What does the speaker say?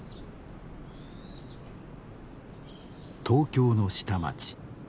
東京の下町。